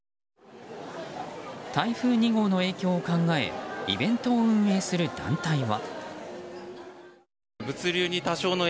台風２号の影響を考えイベントを運営する団体は。